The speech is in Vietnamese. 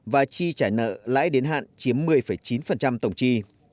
và chi trả nợ lãi đến hạn chiếm một mươi chín tổng chi